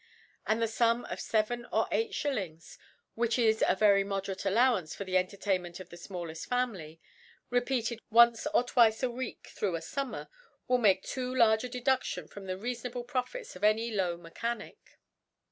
And the Sum of feven or eight Shillings (which is a very moderate Allowance for the Entertainment of the fmalleft Family) repeated once or twice a Week through a Summer, will make too large a Deduftion from the reafonable Profits of any low Mechanic.